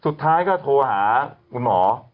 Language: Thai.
สุดท้ายก็โทรหาคุณหมอ